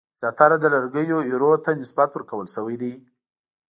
زیاتره د لرګیو ایرو ته نسبت ورکول شوی دی.